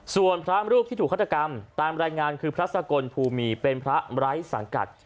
ส่วนพระรูปที่ถูกฆาตกรรมตามรายงานคือพระสกลภูมีเป็นพระไร้สังกัด